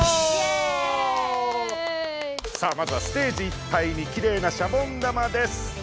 さあまずはステージいっぱいにきれいなシャボン玉です。